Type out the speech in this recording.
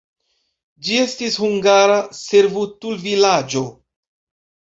Ĝi estis hungara servutulvilaĝo.